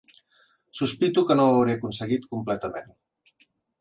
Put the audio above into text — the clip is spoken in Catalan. Sospito que no ho hauré aconseguit completament